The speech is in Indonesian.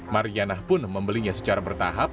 mariana pun membelinya secara bertahap